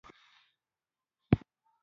شاعر ملي یوالی له یوه باغ سره تشبه کړی.